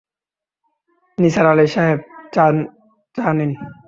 নিসার আলি সাহেব, চা নিন।